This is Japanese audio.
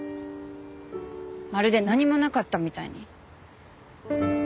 まるで何もなかったみたいに。